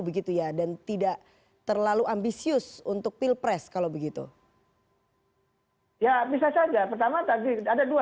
begitu ya dan tidak terlalu ambisius untuk pilpres kalau begitu ya bisa saja pertama tadi ada dua